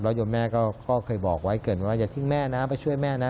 โยมแม่ก็เคยบอกไว้เกิดว่าอย่าทิ้งแม่นะไปช่วยแม่นะ